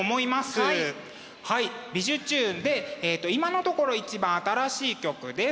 はい「びじゅチューン！」で今のところ一番新しい曲です。